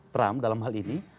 trump dalam hal ini